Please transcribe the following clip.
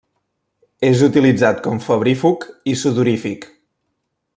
És utilitzat com febrífug i sudorífic.